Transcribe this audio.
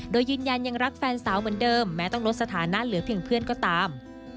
โดยยืนยันยังรักแฟนสาวเหมือนเดิมแม้ต้องลดสถานะเหลือเพียงเพื่อนก็ตาม